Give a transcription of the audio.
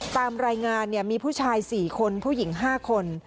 ตามรายงานมีผู้ชาย๔คนผู้หญิง๕คน